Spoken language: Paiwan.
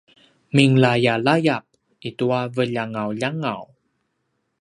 minglayalayap itua veljangaljangaw